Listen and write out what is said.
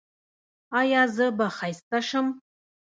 ایا زه به ښایسته شم؟